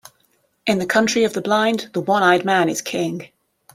In the country of the blind, the one-eyed man is king.